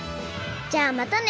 じゃあまたね！